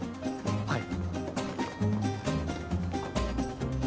はい。